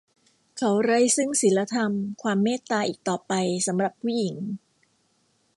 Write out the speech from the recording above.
เขาไร้ซึ่งศีลธรรม ความเมตตา อีกต่อไปสำหรับผู้หญิง